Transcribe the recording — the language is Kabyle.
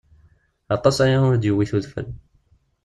Aṭas aya ur d-yewwit udfel.